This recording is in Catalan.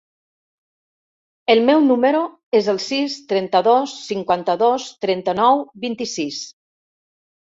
El meu número es el sis, trenta-dos, cinquanta-dos, trenta-nou, vint-i-sis.